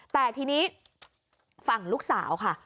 แต่ทีนี้ฝั่งลูกสาวค่ะ